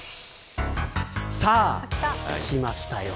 さあ、きましたよ。